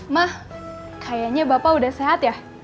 mas kayaknya bapak sudah sehat ya